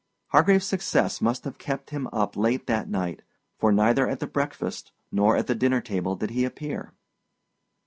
Hargraves's success must have kept him up late that night, for neither at the breakfast nor at the dinner table did he appear.